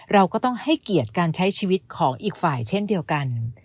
เราก็ต้องให้เกียรติการใช้ชีวิตของอีกฝ่ายเช่นเดียวกัน